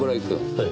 はい。